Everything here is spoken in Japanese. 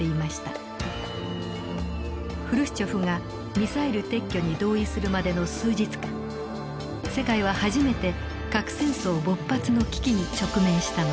フルシチョフがミサイル撤去に同意するまでの数日間世界は初めて核戦争勃発の危機に直面したのです。